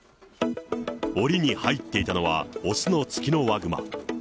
おりに入っていたのは、雄のツキノワグマ。